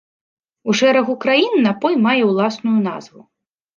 У шэрагу краін напой мае ўласнае назву.